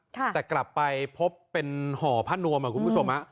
แต่กลับไปพบเป็นห่อพระนวม